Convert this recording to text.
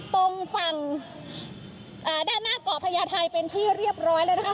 ตรงฝั่งหน้ากล่อภพญาไทไตห์เป็นที่เรียบร้อยแล้วนะคะ